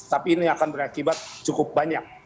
tapi ini akan berakibat cukup banyak